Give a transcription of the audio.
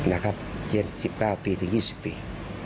นะครับเท่า๑๙ปีถึง๒๐ปี